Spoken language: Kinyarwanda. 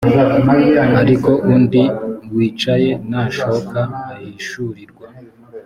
ariko undi wicaye nashoka ahishurirwa